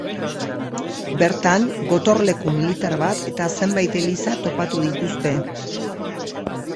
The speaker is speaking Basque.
Bertan gotorleku militar bat eta zenbait eliza topatu dituzte.